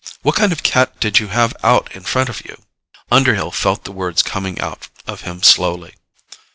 What kind of cat did you have out in front of you?" Underhill felt the words coming out of him slowly.